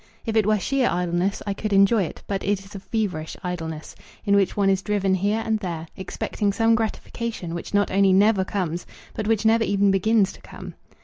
If it were sheer idleness I could enjoy it, but it is a feverish idleness, in which one is driven here and there, expecting some gratification which not only never comes, but which never even begins to come.